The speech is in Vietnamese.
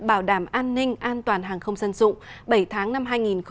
bảo đảm an ninh an toàn hàng không dân dụng bảy tháng năm hai nghìn hai mươi